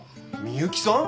みゆきさん？